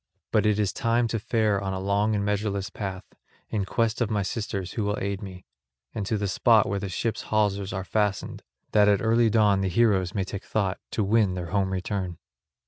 But it is time to fare on a long and measureless path, in quest of my sisters who will aid me, and to the spot where the ship's hawsers are fastened, that at early dawn the heroes may take thought to win their home return."